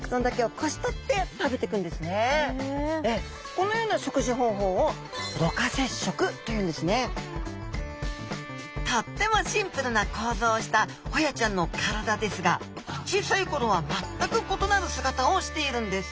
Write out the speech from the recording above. このような食事方法をとってもシンプルな構造をしたホヤちゃんの体ですが小さい頃は全く異なる姿をしているんです。